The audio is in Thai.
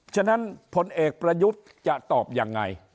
ฉะนั้นพลเอกประยุทธ์จะตอบยังไง